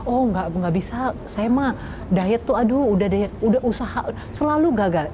oh nggak bisa saya mah diet tuh aduh udah usaha selalu gagal